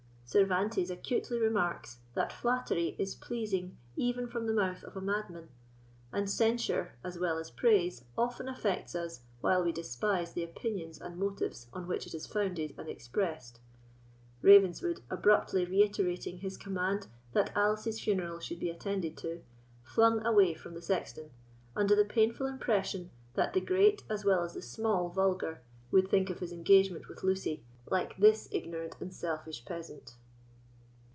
Cervantes acutely remarks, that flattery is pleasing even from the mouth of a madman; and censure, as well as praise, often affects us, while we despise the opinions and motives on which it is founded and expressed. Ravenswood, abruptly reiterating his command that Alice's funeral should be attended to, flung away from the sexton, under the painful impression that the great as well as the small vulgar would think of his engagement with Lucy like this ignorant and selfish peasant.